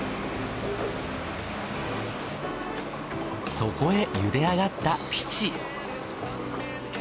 そこへ茹で上がったピチ。